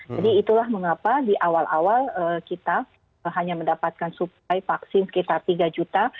jadi itulah mengapa di awal awal kita hanya mendapatkan supply vaksin sekitar tiga juta